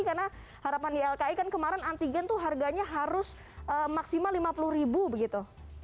karena harapan ylki kan kemarin antigen itu harganya harus maksimal rp lima puluh begitu